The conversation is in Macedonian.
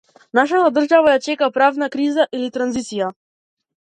Нашата држава ја чека правна криза или транзиција.